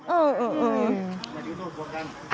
เออเออเออ